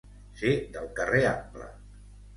Ser del carrer ample.